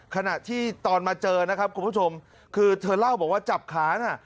ขณะที่ตอนมาเจอนะครับคุณผู้ชมคือเธอเล่าบอกว่าจับขาน่ะ